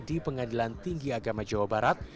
di pengadilan tinggi agama jawa barat